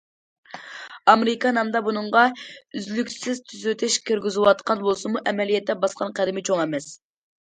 ئامېرىكا نامدا بۇنىڭغا ئۈزلۈكسىز تۈزىتىش كىرگۈزۈۋاتقان بولسىمۇ، ئەمەلىيەتتە باسقان قەدىمى چوڭ ئەمەس.